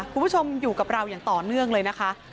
คุณผู้ชมอยู่กับเราอย่างต่อเนื่องเลยนะคะ